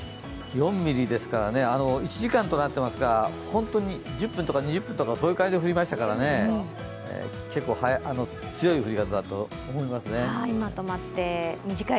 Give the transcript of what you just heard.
４ミリですから、１時間となっていますが、１０分とか２０分とかそういう感じで降りましたからね、結構強い降り方だったと思いますね。